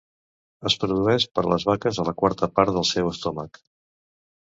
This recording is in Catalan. Es produeix per les vaques a la quarta part del seu estómac.